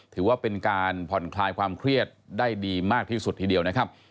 ถือว่าเป็นการผ่อนคลายความเครียดได้ดีมากที่สุดทีเดียวนะครับ